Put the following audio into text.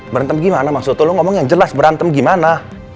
berantem gimana maksudnya lo ngomong yang jelas berantem gimana